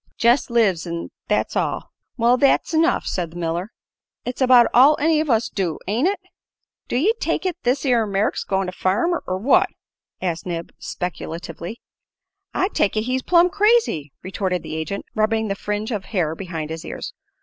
"Jest lives, 'n' that's all." "Well, thet's enough," said the miller. "It's about all any of us do, ain't it?" "Do ye take it this 'ere Merrick's goin' to farm, er what?" asked Nib, speculatively. "I take it he's plumb crazy," retorted the agent, rubbing the fringe of hair behind his ears.